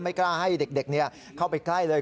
ไม่กล้าให้เด็กเข้าไปใกล้เลย